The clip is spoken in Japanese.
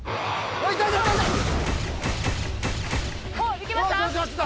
おっいけました？